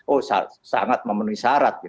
oh sangat memenuhi syarat